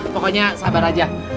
pokoknya sabar aja